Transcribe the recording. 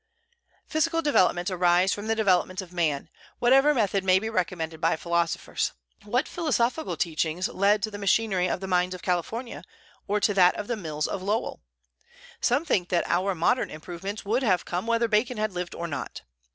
Physical developments arise from the developments of man, whatever method may be recommended by philosophers. What philosophical teachings led to the machinery of the mines of California, or to that of the mills of Lowell? Some think that our modern improvements would have come whether Bacon had lived or not.